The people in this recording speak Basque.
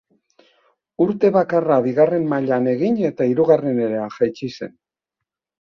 Urte bakarra bigarren mailan egin eta hirugarrenera jaitsi zen.